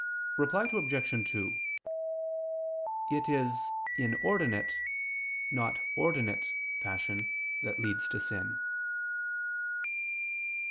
Reply Obj. 2: It is inordinate, not ordinate, passion that leads to sin.